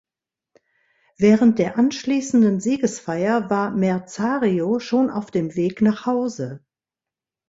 Während der anschließenden Siegesfeier war Merzario schon auf dem Weg nach Hause.